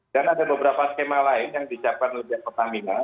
dan ada beberapa skema lain yang dicapkan oleh pihak pertamina